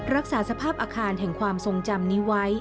รักษาสภาพอาคารแห่งความทรงจำนี้ไว้